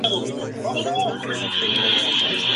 Es casi seguro la cueva No.